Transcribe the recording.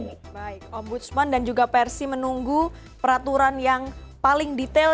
baik ombudsman dan juga persi menunggu peraturan yang paling detail